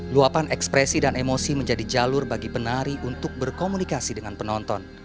luapan ekspresi dan emosi menjadi jalur bagi penari untuk berkomunikasi dengan penonton